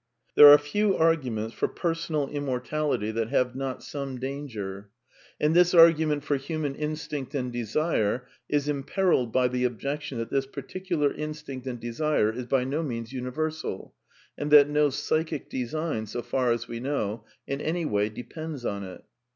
There are few arguments for Personal Immortality that CONCLUSIONS 321 have not some danger. And this argument from human instinct and desire is imperilled by the objection that this particular instinct and desire is by no means universal, and that no psychic design, so far as we know, in any way de pends on it.